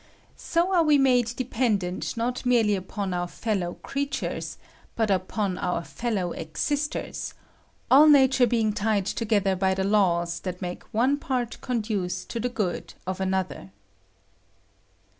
So are we made de pendent not merely upon our fellow creatures, but upon our feliow esisters, all Nature being tied together by the laws that make one part conduce to the good of another.